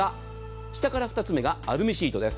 下から２つ目がアルミシートです。